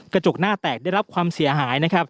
กระจกหน้าแตกได้รับความเสียหาย